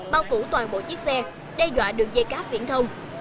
bao phủ toàn bộ chiếc xe đe dọa đường dây cáp viễn thông